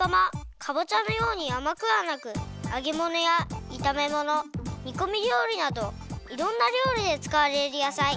かぼちゃのようにあまくはなくあげものやいためものにこみりょうりなどいろんなりょうりでつかわれるやさい。